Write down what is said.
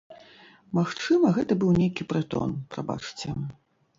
Магчыма, гэта быў нейкі прытон, прабачце.